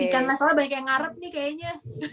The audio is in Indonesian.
karena soalnya banyak yang ngarep nih kayaknya